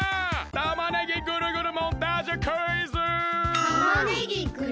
たまねぎぐるぐるモンタージュクイズ！